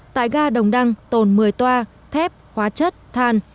tại ga đồng đăng tồn một mươi toa thép hóa chất than